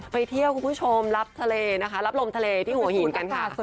ไปเที่ยวคุณผู้ชมรับทะเลนะคะรับลมทะเลที่หัวหินกันค่ะ